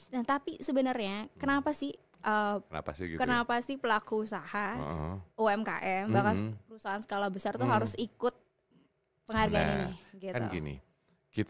nah tapi sebenarnya kenapa sih pelaku usaha umkm bahkan perusahaan skala besar itu harus ikut penghargaan ini gitu